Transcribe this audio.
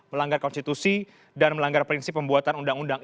melanggar konstitusi dan melanggar prinsip pembuatan undang undang